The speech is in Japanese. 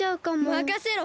まかせろ！